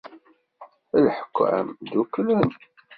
Lḥekkam ddukklen.